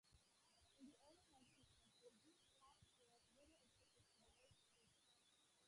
In the early nineteenth century, these costs were of little importance to most businesses.